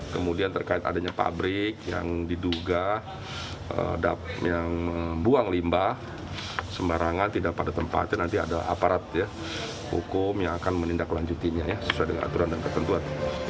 kemudian terkait adanya pabrik yang diduga yang membuang limbah sembarangan tidak pada tempatnya nanti ada aparat hukum yang akan menindaklanjutinya ya sesuai dengan aturan dan ketentuan